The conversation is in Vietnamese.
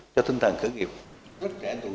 cho tình hình mới